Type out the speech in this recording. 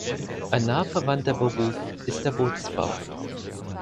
Ein nah verwandter Beruf ist der Bootsbauer.